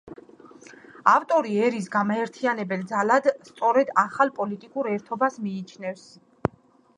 ავტორი ერის გამაერთიანებელ ძალად სწორედ ახალ პოლიტიკურ ერთობას მიიჩნევს.